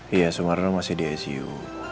iya sumarno masih di icu